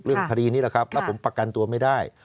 คดีนี้แหละครับแล้วผมประกันตัวไม่ได้